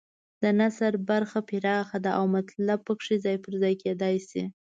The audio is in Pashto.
د نثر برخه پراخه ده او مطلب پکې ځای پر ځای کېدای شي.